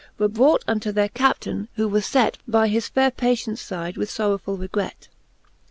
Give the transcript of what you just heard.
Were brought unto their Captaine, who was fet By his faire patients fide with forrowfuU regret.